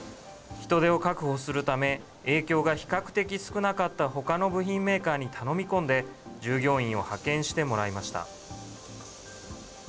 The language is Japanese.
人手を確保するため、影響が比較的少なかったほかの部品メーカーに頼み込んで、従業員を派遣してもらいました。